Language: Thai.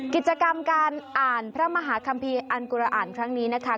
กิจกรรมการอ่านพระมหาคัมภีร์อันกุรอ่านครั้งนี้นะคะ